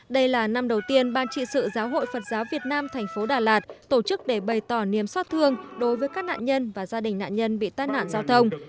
đây là năm đầu tiên ban trị sự giáo hội phật giáo việt nam thành phố đà lạt tổ chức để bày tỏ niềm soát thương đối với các nạn nhân và gia đình nạn nhân bị tai nạn giao thông